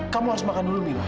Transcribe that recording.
kamu harus makan dulu bilang